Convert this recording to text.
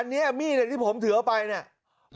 อันนี้มีดที่ผมถือเอาไปเนี่ย